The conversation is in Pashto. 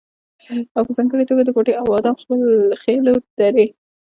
او په ځانګړې توګه د کوټې او ادم خېلو درې